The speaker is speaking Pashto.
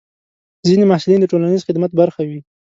ځینې محصلین د ټولنیز خدمت برخه وي.